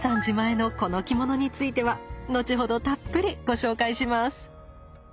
自前のこの着物については後ほどたっぷりご紹介します。